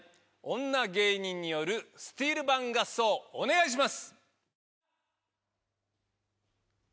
女芸人によるスティールパン合奏、お願いします。